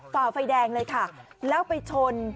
ฝ่าไฟแดงเลยค่ะแล้วไปชน